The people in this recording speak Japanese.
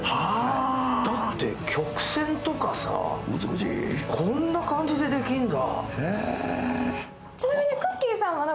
だって曲線とかさ、こんな感じでできるんだ。